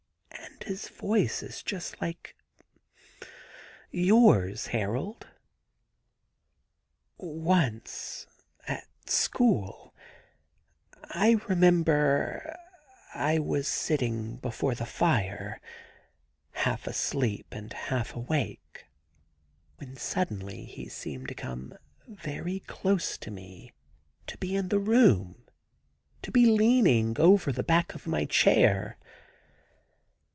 . and his voice is just like yours, Harold. ... Once, at school, I remember, I was sitting before the fire, half asleep and half awake, when suddenly he seemed to come very close to me, to be in the room, to be leaning over the back of my chair.